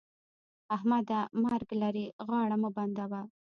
احمده! مرګ لرې؛ غاړه مه بندوه.